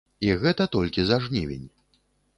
І гэта толькі за жнівень.